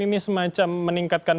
ini semacam meningkatkan